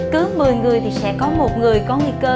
cứ một mươi người thì sẽ có một người có nguy cơ